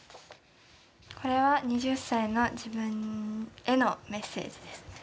これは２０歳の自分へのメッセージです。